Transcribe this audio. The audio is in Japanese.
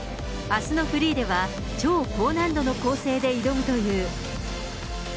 あすのフリーでは、超高難度の構成で挑むという。